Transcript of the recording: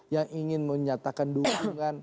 yang ingin menyatakan dukungan